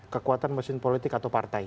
kekuatan mesin politik atau partai